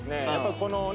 このね